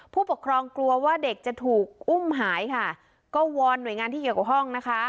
ผู้ปกครองกลัวว่าเด็กจะถูกอุ้มหายค่ะก็วอนหน่วยงานที่เกี่ยวกับห้องนะคะ